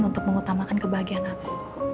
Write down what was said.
untuk mengutamakan kebahagiaan aku